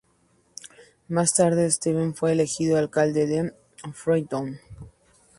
Más tarde, Stevens fue elegido alcalde de Freetown.